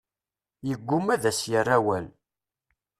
Yeggumma ad as-yerr awal.